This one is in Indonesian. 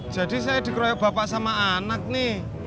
jadi saya dikroyok bapak sama anak nih